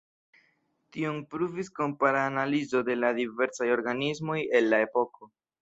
Tion pruvis kompara analizo de la diversaj organismoj el la epoko.